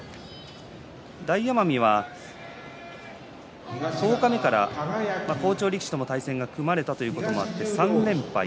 大奄美は十日目から好調力士との対戦が組まれるということもあって３連敗。